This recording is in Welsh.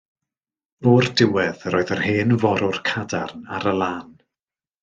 O'r diwedd yr oedd yr hen forwr cadarn ar y lan.